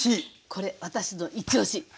これ私のイチ押し！